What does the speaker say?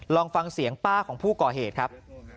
ลองฟังเสียงป้าของผู้ก่อเหตุครับ